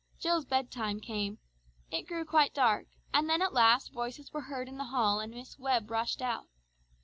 Jill's bed time came. It grew quite dark, and then at last voices were heard in the hall and Miss Webb rushed out.